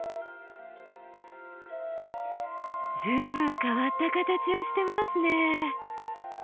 随分変わった形をしてますねえ。